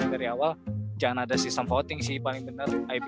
ya ibaratnya kayak bola panas dilemparkan ke tim tim gitu harusnya gitu